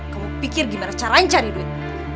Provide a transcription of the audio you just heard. kamu pikir gimana caranya cari duit